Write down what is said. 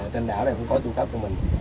trên đảo này cũng có trung tâm của mình